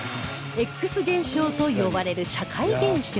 Ｘ 現象と呼ばれる社会現象に